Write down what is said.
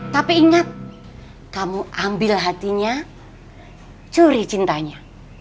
tapi ingat kamu ambil hatinya curi cintanya